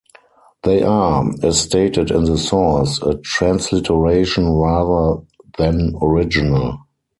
They are, as stated in the source, a transliteration rather than original.